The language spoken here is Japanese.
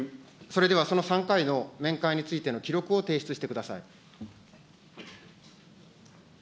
それではその３回の面会についての記録を提出してください。